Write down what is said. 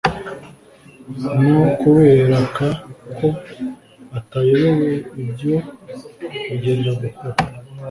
no kubereka ko atayobewe ibyo bendaga gukora